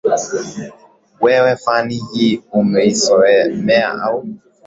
wewe fani hii umeisomea au